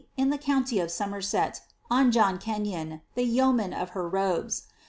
in the county of Somerset, on John Kenyon, the yeoman of her robes.